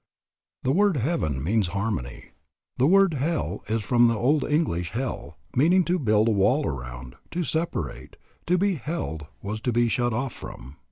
The word heaven means harmony. The word hell is from the old English hell, meaning to build a wall around, to separate; to be helled was to be shut off from.